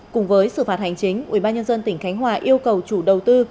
cùng với xử phạt hành chính ubnd tỉnh khánh hòa yêu cầu chủ đầu tư